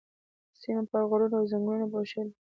سيمه پر غرونو او ځنګلونو پوښلې.